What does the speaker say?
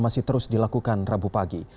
masih terus dilakukan rabu pagi